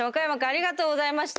ありがとうございます。